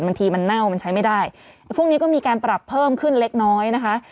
บางทีมันเน่ามันใช้ไม่ได้พรุ่งนี้ก็มีการปรับเพิ่มขึ้นเล็กน้อยนะคะ